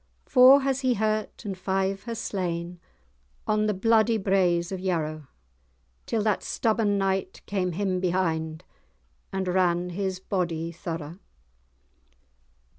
Four has he hurt, and five has slain, On the bloody braes of Yarrow, Till that stubborn knight came him behind, And ran his body thorough.